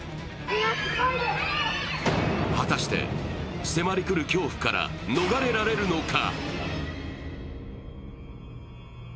果たして迫り来る恐怖から逃れられるのか。